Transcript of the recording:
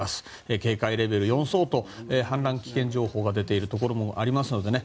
警戒レベル４相当氾濫危険情報が出ているところもありますのでね。